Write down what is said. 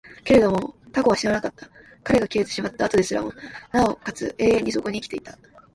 けれども蛸は死ななかった。彼が消えてしまった後ですらも、尚且つ永遠にそこに生きていた。